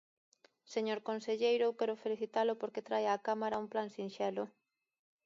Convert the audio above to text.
Señor conselleiro, eu quero felicitalo porque trae á Cámara un plan sinxelo.